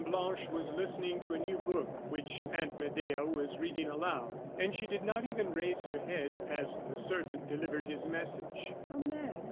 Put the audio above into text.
Blanche was listening to a new book which Aunt Medea was reading aloud, and she did not even raise her head as the servant delivered his message. "A man?"